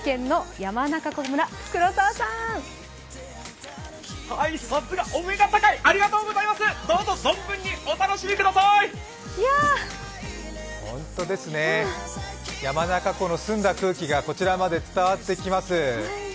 山中湖の澄んだ空気がこちらまで伝わってきます。